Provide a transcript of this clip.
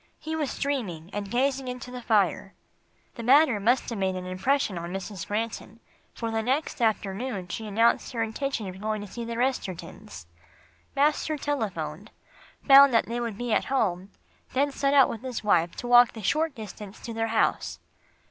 He was dreaming, and gazing into the fire. The matter must have made an impression on Mrs. Granton, for the next afternoon she announced her intention of going to see the Restertons. Master telephoned, found that they would be at home, then he set out with his wife to walk the short distance to their house.